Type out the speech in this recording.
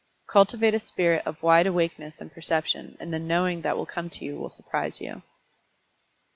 Cultivate a spirit of wide awakeness and perception, and the "knowing" that will come to you will surprise you.